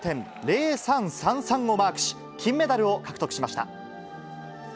９５．０３３３をマークし、金メダルを獲得しました。